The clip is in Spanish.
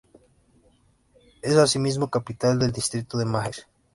Es asimismo capital del distrito de Majes.